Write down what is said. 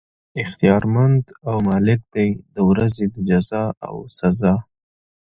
اختيار مند او مالک دی د ورځي د جزاء او سزاء